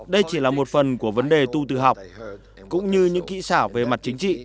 đây chỉ là một phần của vấn đề tu tự học cũng như những kỹ xảo về mặt chính trị